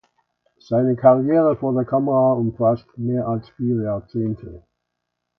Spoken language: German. Seine Karriere vor der Kamera umfasst mehr als vier Jahrzehnte.